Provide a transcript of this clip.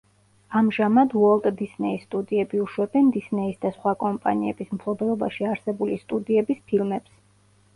ამჟამად უოლტ დისნეის სტუდიები უშვებენ დისნეის და სხვა კომპანიების მფლობელობაში არსებული სტუდიების ფილმებს.